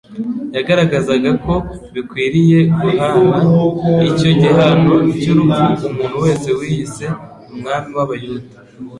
Yagaragazaga ko bikwiriye guhana icyo gihano cy'urupfu umuntu wese wiyise umwami w'Abayuda.